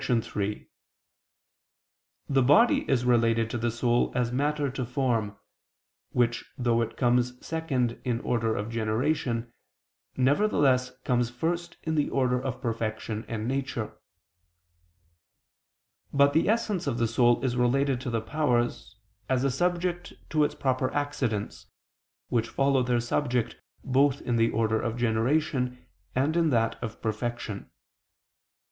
3: The body is related to the soul as matter to form, which though it comes second in order of generation, nevertheless comes first in the order of perfection and nature. But the essence of the soul is related to the powers, as a subject to its proper accidents, which follow their subject both in the order of generation and in that of perfection.